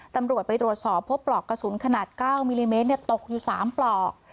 ตำรวจไปตรวจสอบพบปลอกกระสุนขนาด๙มิลลิเมตรตกอยู่๓ปลอก